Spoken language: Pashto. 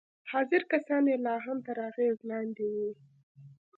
حاضر کسان يې لا هم تر اغېز لاندې وو.